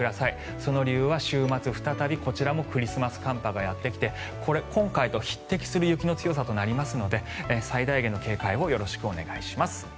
その理由は週末再びこちらもクリスマス寒波がやってきて今回に匹敵するくらいの雪の強さになりますので最大限の警戒をよろしくお願いします。